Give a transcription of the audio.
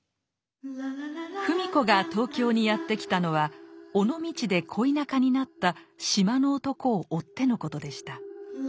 芙美子が東京にやって来たのは尾道で恋仲になった「島の男」を追ってのことでした。